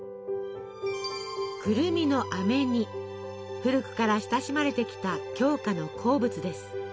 古くから親しまれてきた鏡花の好物です。